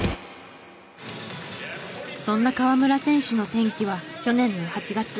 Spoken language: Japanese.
そんな河村選手の転機は去年の８月。